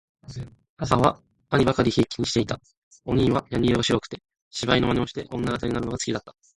母は兄許り贔負にして居た。此兄はやに色が白くつて、芝居の真似をして女形になるのが好きだつた。